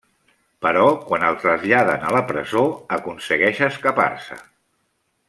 Però quan el traslladen a la presó aconsegueix escapar-se.